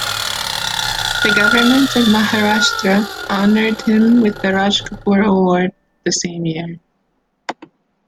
The Government of Maharashtra honoured him with the Raj Kapoor Award the same year.